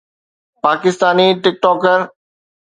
Pakistani ٽڪ ٽوڪر